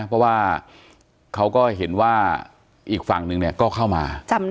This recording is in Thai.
เพราะว่าเขาก็เห็นว่าอีกฝั่งนึงก็เข้ามา